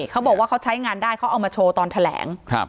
เขาบอกว่าเขาใช้งานได้เขาเอามาโชว์ตอนแถลง